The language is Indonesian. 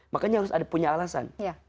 makanya harus ada punya alasan